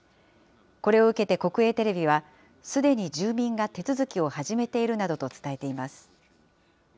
これを受けて国営テレビは、すでに住民が手続きを始めているなどと伝えています。